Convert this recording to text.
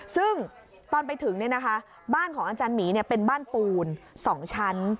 ซึ่งตอนไปถึงเนี่ยนะคะบ้านของอาจารย์หมีเนี่ยเป็นบ้านฟูน๒ชั้น